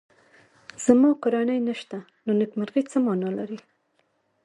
زما کورنۍ نشته نو نېکمرغي څه مانا لري